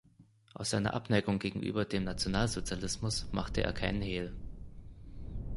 Aus seiner Abneigung gegenüber dem Nationalsozialismus machte er kein Hehl.